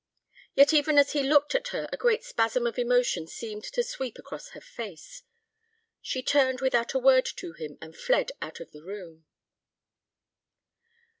Yet even as he looked at her a great spasm of emotion seemed to sweep across her face. She turned without a word to him and fled out of the room.